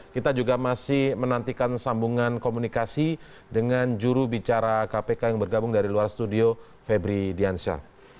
kita juga masih menantikan sambungan komunikasi dengan juru bicara kpk yang bergabung dari luar studio febri diansyah